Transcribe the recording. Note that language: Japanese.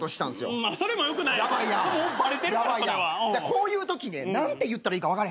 こういうとき何て言ったらいいか分かれへんのよね。